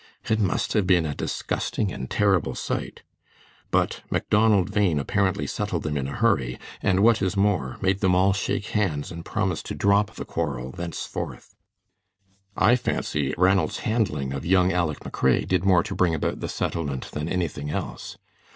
It must have been a disgusting and terrible sight; but Macdonald Bhain apparently settled them in a hurry; and what is more, made them all shake hands and promise to drop the quarrel thenceforth. I fancy Ranald's handling of young Aleck McRae did more to bring about the settlement than anything else.